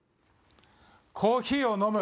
コーヒーを飲む。